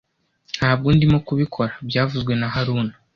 Ntabwo ndimo kubikora byavuzwe na haruna